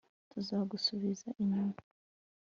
tuzagusubiza inyuma